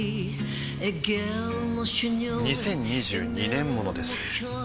２０２２年モノです